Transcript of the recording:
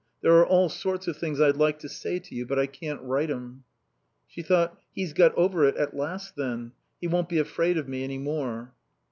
There are all sorts of things I'd like to say to you, but I can't write 'em." She thought: "He's got over it at last, then. He won't be afraid of me any more."